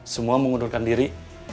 semua mengundurkan diri